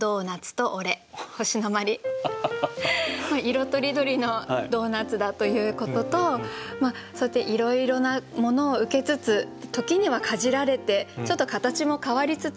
色とりどりのドーナツだということとそうやっていろいろなものを受けつつ時にはかじられてちょっと形も変わりつつ。